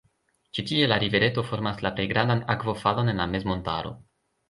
Ĉi-tie la rivereto formas la plej grandan akvofalon en la mezmontaro.